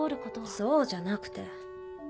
そうじゃなくて。